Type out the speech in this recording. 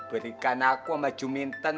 berikan aku sama juminten